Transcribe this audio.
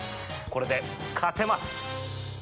これで勝てます！